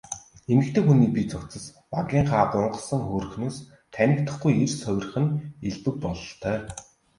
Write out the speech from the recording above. Эмэгтэй хүний бие цогцос багынхаа гунхсан хөөрхнөөс танигдахгүй эрс хувирах нь элбэг бололтой.